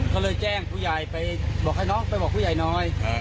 ก็เลยแจ้งผู้ใหญ่ไปบอกให้น้องไปบอกผู้ใหญ่หน่อย